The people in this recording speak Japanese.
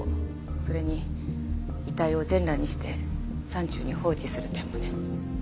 それに遺体を全裸にして山中に放置する点もね。